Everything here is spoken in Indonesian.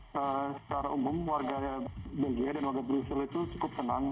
secara umum warga belgia dan warga brussel itu cukup senang